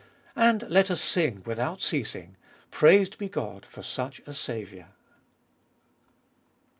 And let us sing without ceasing : Praised be God for such a Saviour !